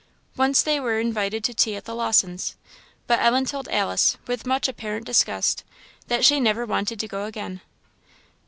Once they were invited to tea at the Lawsons'; but Ellen told Alice, with much apparent disgust, that she never wanted to go again.